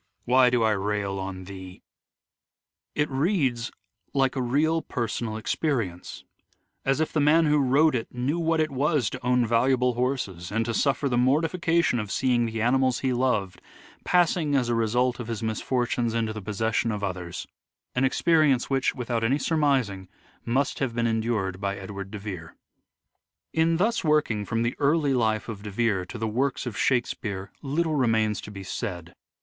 Why do I rail on thee ?" 250 " SHAKESPEARE " IDENTIFIED It reads like a real personal experience ; as if the man who wrote it knew what it was to own valuable horses and to suffer the mortification of seeing the animals he loved, passing, as a result of his mis fortunes, into the possession of others : an experience which, without any surmising, must have been endured by Edward de Vere. Early poetry In thus working from the early life of De Vere to the works of Shakespeare little remains to be said.